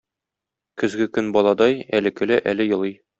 Көзгe көн бaлaдaй: әлe көлә, әлe елый.